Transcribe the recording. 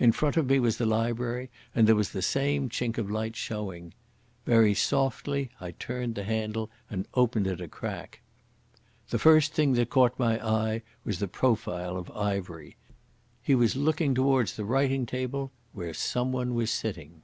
In front of me was the library, and there was the same chink of light showing. Very softly I turned the handle and opened it a crack.... The first thing that caught my eye was the profile of Ivery. He was looking towards the writing table, where someone was sitting.